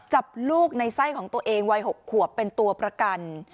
จับลูกในไส้ของตัวเองวัย๖ขวบเป็นตัวประกัน